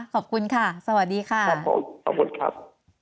ขอบคุณค่ะสวัสดีค่ะขอบคุณครับ